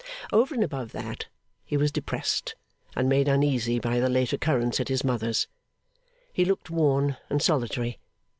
Over and above that, he was depressed and made uneasy by the late occurrence at his mother's. He looked worn and solitary.